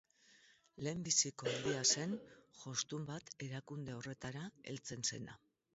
Lehenbiziko aldia zen jostun bat erakunde horretara heltzen zena.